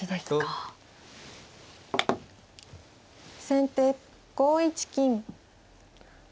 先手５一金。